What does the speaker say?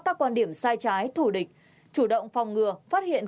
các quan điểm sai trái thủ địch chủ động phòng ngừa phát hiện